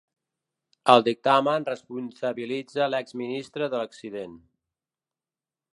El dictamen responsabilitza l’ex-ministre de l’accident.